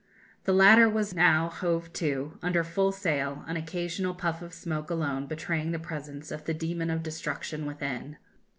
The latter was now hove to, under full sail, an occasional puff of smoke alone betraying the presence of the demon of destruction within.